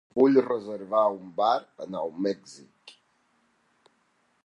Vull reservar un bar a Nou Mèxic.